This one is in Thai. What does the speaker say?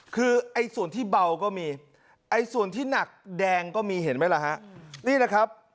คือไอ้ส่วนที่เบาก็มีไอ้ส่วนที่หนักแดงก็มีเห็นไหมล่ะฮะนี่แหละครับ